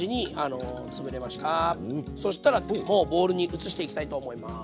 そしたらもうボウルに移していきたいと思います。